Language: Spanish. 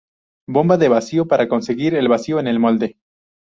Bomba de vacío: para conseguir el vacío en el molde.